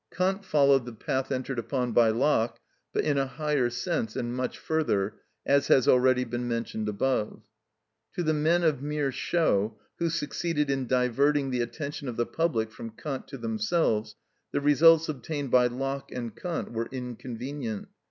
Kant followed the path entered upon by Locke, but in a higher sense and much further, as has already been mentioned above. To the men of mere show who succeeded in diverting the attention of the public from Kant to themselves the results obtained by Locke and Kant were inconvenient.